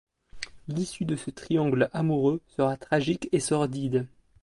L'issue de ce triangle amoureux sera tragique et sordide.